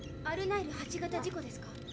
「アルナイル８型事故」ですか？